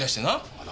あら。